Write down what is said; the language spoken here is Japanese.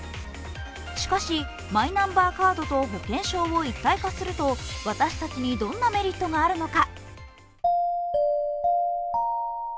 しかしマイナンバーカードと保険証を一体化すると私たちにどんなメリットがあるのか？